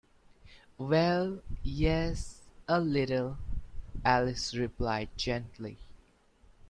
‘Well—yes—a little,’ Alice replied gently.